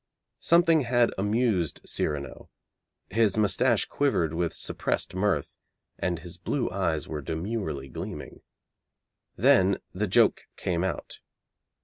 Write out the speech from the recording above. Something had amused Cyrano. His moustache quivered with suppressed mirth, and his blue eyes were demurely gleaming. Then the joke came out.